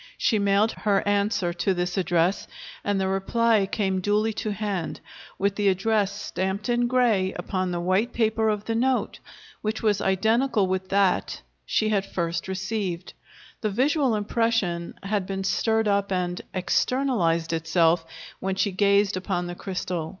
She mailed her answer to this address, and the reply came duly to hand, with the address stamped in gray upon the white paper of the note, which was identical with that she had first received. The visual impression had been stirred up and "externalized" itself when she gazed upon the crystal.